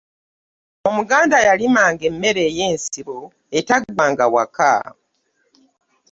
omuganda yalima nga emmere eyensibo etagwanga waka